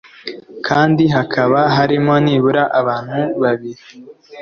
kandi hakaba harimo nibura abantu babiri